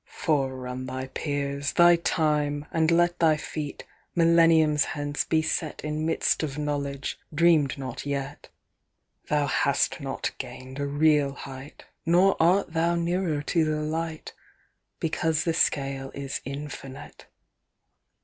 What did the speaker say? "Forerun thy peers, thy time, and let Thy feet, millenniums hence, be set In midst of knowledge, dream'd not yet. "Thou hast not gain'd a real height, Nor art thou nearer to the light, Because the scale is infinite.